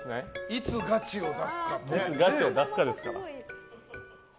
いつ、ガチを出すかですから。